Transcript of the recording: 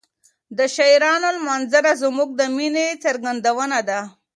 د شاعرانو لمانځنه زموږ د مینې څرګندونه ده.